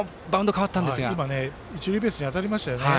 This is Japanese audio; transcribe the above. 今、一塁ベースに当たりましたよね。